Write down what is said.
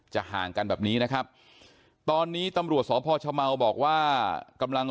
ห่างกันแบบนี้นะครับตอนนี้ตำรวจสพชเมาบอกว่ากำลัง